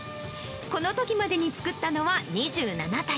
このときまでに作ったのは２７体。